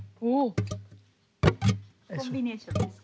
コンビネーションです。